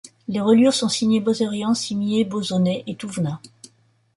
Les reliures sont signées Bozerian, Simier, Bauzonnet et Thouvenin.